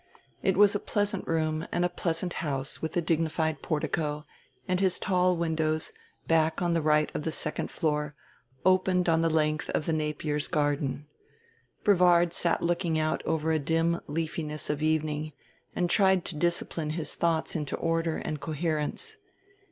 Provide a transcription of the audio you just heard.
It was a pleasant room and a pleasant house with a dignified portico; and his tall windows, back on the right of the second floor, opened on the length of the Napiers' garden. Brevard sat looking out over a dim leafiness of evening and tried to discipline his thoughts into order and coherence.